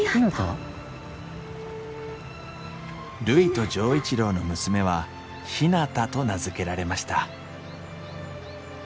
るいと錠一郎の娘はひなたと名付けられました